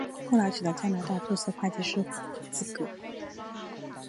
后来取得加拿大注册会计师资格。